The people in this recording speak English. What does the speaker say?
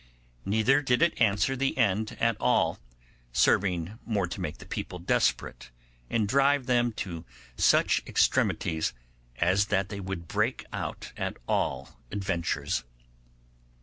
Neither did it answer the end at all, serving more to make the people desperate, and drive them to such extremities as that they would break out at all adventures.